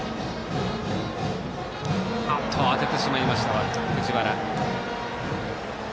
当ててしまいました、藤原。